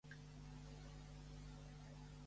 Haur